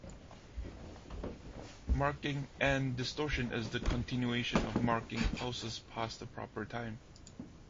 Marking end distortion is the continuation of marking pulses past the proper time.